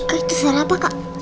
eh itu suara apa kak